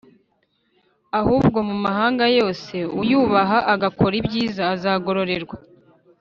ahubwo mu mahanga yose uyubaha agakora ibyiza azagororerwa